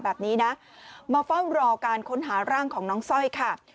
แบบนี้นะมาเฝ้ารอการค้นหาร่างของน้องสร้อยค่ะ